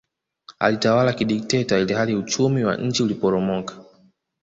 Alitawala kidikteta ilhali uchumi wa nchi uliporomoka